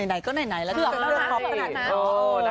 ไหนก็ไหน